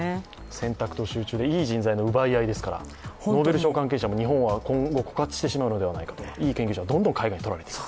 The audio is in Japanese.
選択と集中でいい人材の奪い合いですから、ノーベル賞関係者は、日本は今後、枯渇してしまうのではないかといい研究者がどんどん海外に取られていく。